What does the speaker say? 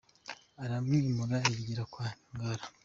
Aramwimura yigira kwa Ngara !.